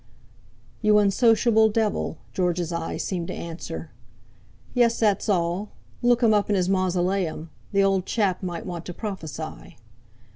'You unsociable devil,' George's eyes seemed to answer. "Yes, that's all: Look him up in his mausoleum—the old chap might want to prophesy."